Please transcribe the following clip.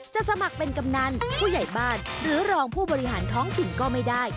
สมัครเป็นกำนันผู้ใหญ่บ้านหรือรองผู้บริหารท้องถิ่นก็ไม่ได้